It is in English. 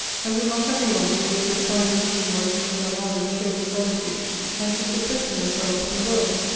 And would not every one be able to assign the reason why Clarissa Harlowe chose solitude, and to sequester herself from the world?